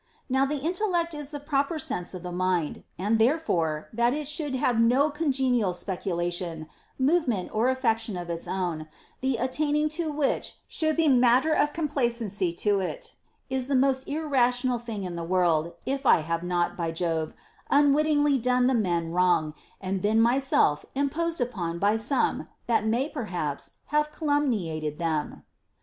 Now the in tellect is the proper sense of the mind ; and therefore 180 PLEASURE NOT ATTAINABLE that it should have no congenial speculation, movement, or affection of its own, the attaining to which should be matter of complacency to it, is the most irrational thing in the world, if I have not, by Jove, unwittingly done the men wrong, and been myself imposed upon by some that may perhaps have calumniated them.